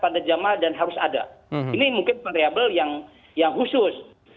kalau yang sifatnya pajak yang sifatnya karantina mungkin bisa di menggunakan anggaran yang tidak dipakai selama dua tahun